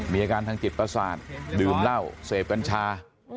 มีอาการทางจิตประสาทดื่มเหล้าเสพกัญชา